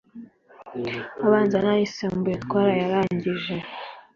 abanza n'ayisumbuye, twarayarangije